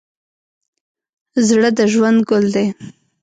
زړه د ژوند ګل دی.